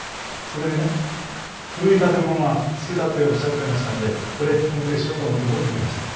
それでね古い建物が好きだっておっしゃってましたのでこれお見せしようと思って持ってきました。